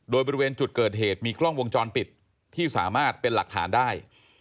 โดยบริเวณจุดเกิดเหตุมีกล้องวงจรปิดที่สามารถเป็นหลักฐานได้